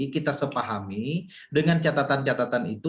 kita sepahami dengan catatan catatan itu